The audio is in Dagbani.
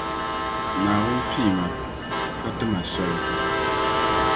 Naawuni pii ma, ka ti ma soli.